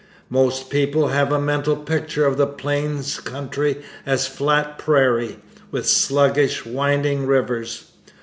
Most people have a mental picture of the plains country as flat prairie, with sluggish, winding rivers.